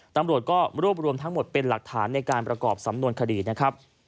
ตำรวจก็รวบรวมทั้งหมดเป็นหลักฐานในการประกอบสำนวนคดีนะครับ